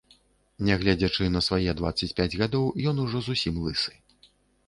Нягледзячы на свае дваццаць пяць гадоў, ён ужо зусім лысы.